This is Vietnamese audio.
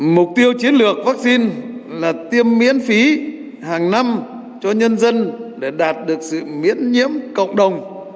mục tiêu chiến lược vaccine là tiêm miễn phí hàng năm cho nhân dân để đạt được sự miễn nhiễm cộng đồng